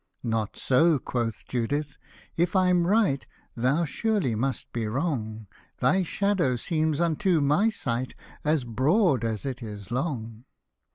101 <f Not so," quoth Judith, " if I'm right, Thou surely must be wrong ; Thy shadow seems unto my sight As broad as it is long."